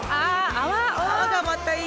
泡がまたいい。